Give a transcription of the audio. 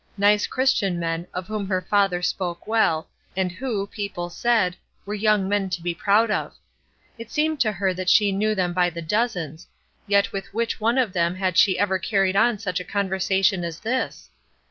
Nice Christian men, of whom her father spoke well, and who, people said, were young men to be proud of. It seemed to her that she knew them by the dozens, yet with which one of them had she ever carried on such a conversation as this?